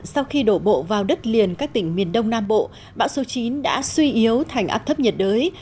sau khi đổ bộ vào đất liền các tỉnh miền đông nam bộ bão số chín đã suy yếu thành áp thấp nhiệt đới